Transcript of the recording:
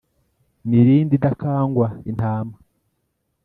mirindi idakangwa intama